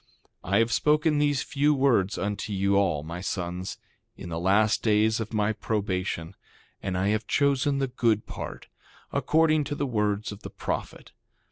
2:30 I have spoken these few words unto you all, my sons, in the last days of my probation; and I have chosen the good part, according to the words of the prophet.